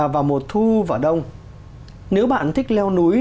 và mùa thu và mùa đông nếu bạn thích leo núi